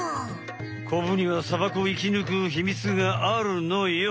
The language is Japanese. コブには砂漠を生きぬくヒミツがあるのよ。